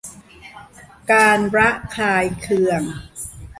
การระคายเคือง